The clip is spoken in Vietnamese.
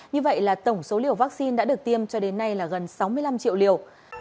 như vậy là tổng số liều vaccine đã được tiêm cho đến nay là gần sáu mươi năm triệu liều